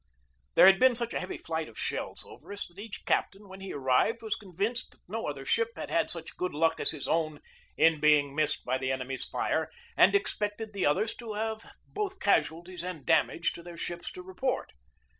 There had been such a heavy flight of shells over us that each captain, when he arrived, was convinced that no other ship had had such good luck as his own in being missed by the enemy's fire, and ex pected the others to have both casualties and dam ages to their ships to report.